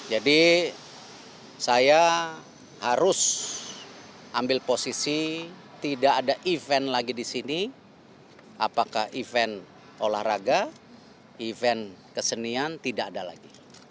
jadi saya harus ambil posisi tidak ada event lagi di sini apakah event olahraga event kesenian tidak ada lagi